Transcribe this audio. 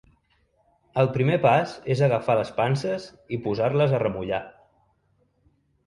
El primer pas és agafar les panses i posar-les a remullar.